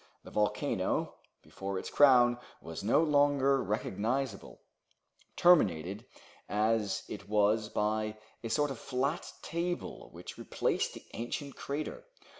The volcano, without its crown, was no longer recognizable, terminated as it was by a sort of flat table which replaced the ancient crater.